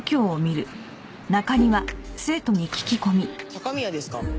高宮ですか？